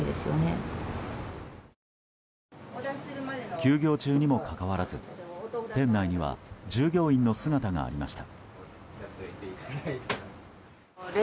休業中にもかかわらず店内には従業員の姿がありました。